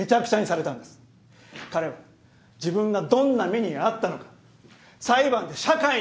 彼は自分がどんな目に遭ったのか裁判で社会に訴え。